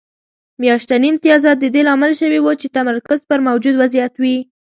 میاشتني امتیازات د دې لامل شوي وو چې تمرکز پر موجود وضعیت وي